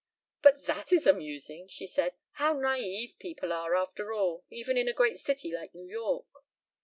"But that is amusing!" she said. "How naïve people are after all, even in a great city like New York."